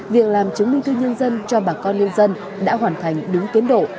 việc làm chứng minh thư nhân dân cho bà con nhân dân đã hoàn thành đúng tiến độ